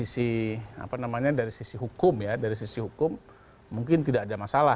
saya kira dari sisi hukum mungkin tidak ada masalah